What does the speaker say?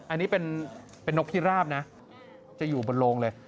อันนี้เป็นนกพิราบนะจะอยู่บนโลงเลย